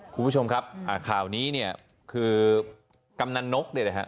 คุณผู้ชมครับข่าวนี้เนี่ยคือกำนันนกเนี่ยนะฮะ